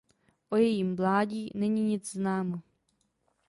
O jejím mládí není nic známo.